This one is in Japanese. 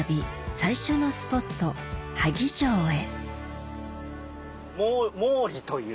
最初のスポット萩城へ毛利という。